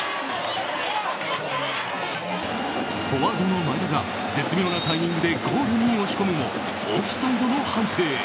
フォワードの前田が絶妙なタイミングでゴールに押し込むもオフサイドの判定。